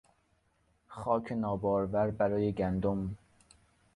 خاک نابارور برای گندم